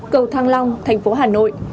cầu thăng long thành phố hà nội